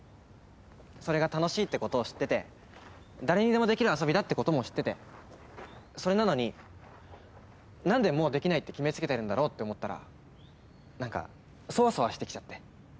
それが楽しいってことを知ってて誰にでもできる遊びだってことも知っててそれなのに何でもうできないって決め付けてるんだろうって思ったら何かそわそわしてきちゃって。